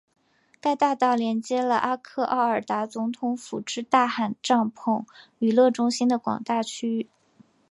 该大道连接了阿克奥尔达总统府至大汗帐篷娱乐中心的广大区域。